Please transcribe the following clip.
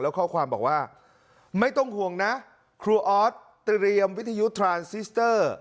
แล้วข้อความบอกว่าไม่ต้องห่วงนะครูออสเตรียมวิทยุทรานซิสเตอร์